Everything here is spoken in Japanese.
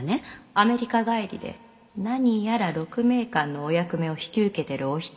アメリカ帰りで何やら鹿鳴館のお役目を引き受けてるお人らしいのよ！